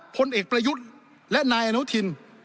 พลเอกประยุทธ์และนายอนุทิน